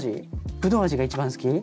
ぶどう味が一番好き？